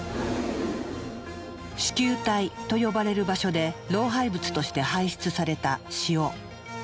糸球体と呼ばれる場所で老廃物として排出された塩。